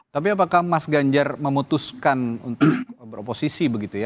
tapi apakah mas ganjar memutuskan untuk beroposisi begitu ya